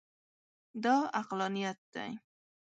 دا عقلانیت دی.